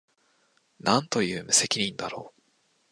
何という無責任だろう